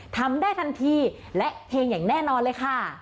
ทำได้ทันทีและเฮงอย่างแน่นอนเลยค่ะ